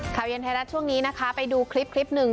ข่าวเย็นไทยรัฐช่วงนี้นะคะไปดูคลิปคลิปหนึ่ง